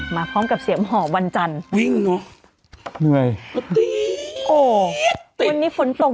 มาพร้อมกับเสียงหอบวันจันทร์วิ่งเนอะเหนื่อยโอ้วันนี้ฝนตก